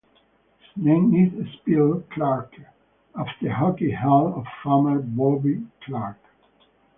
His name is spelled "Clarke" after Hockey Hall of Famer Bobby Clarke.